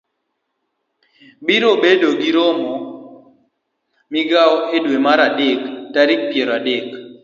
Biro bedo gi romo mar migawo e dwe mar adek tarik piero adek ,